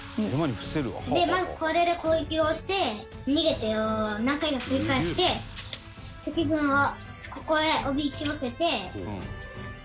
まずこれで攻撃をして逃げてを何回か繰り返して敵軍をここへおびき寄せて。